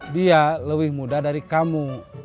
dia lebih muda dari kamu